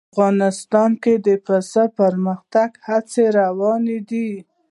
افغانستان کې د پسه د پرمختګ هڅې روانې دي.